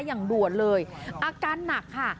อย่างด่วนเลยอาการหนักค่ะ